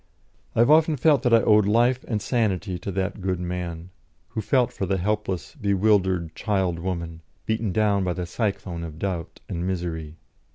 I have often felt that I owed life and sanity to that good man, who felt for the helpless, bewildered child woman, beaten down by the cyclone of doubt and misery.